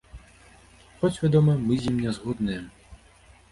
Хоць, вядома, мы з ім не згодныя.